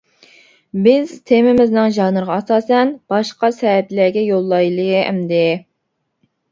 بىز تېمىمىزنىڭ ژانىرىغا ئاساسەن باشقا سەھىپىلەرگە يوللايلى ئەمدى.